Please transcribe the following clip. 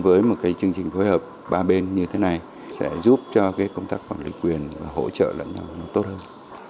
với một chương trình phối hợp ba bên như thế này sẽ giúp cho công tác quản lý quyền hỗ trợ lận nhau tốt hơn